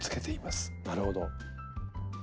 なるほど。